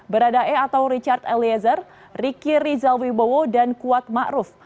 berada e atau richard eliezer riki rizal wibowo dan kuat ma'ruf